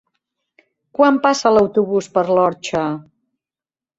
Quan passa l'autobús per l'Orxa?